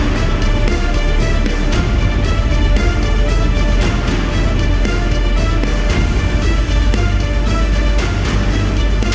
ลดไวรัสมากถึง๙๙ในสองชั่วโมง